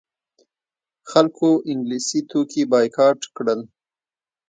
خلکو انګلیسي توکي بایکاټ کړل.